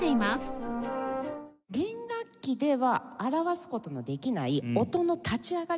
弦楽器では表す事のできない音の立ち上がり。